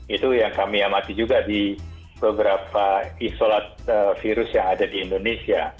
itu yang kami amati juga di beberapa isolat virus yang ada di indonesia